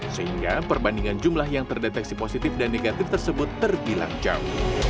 sehingga perbandingan jumlah yang terdeteksi positif dan negatif tersebut terbilang jauh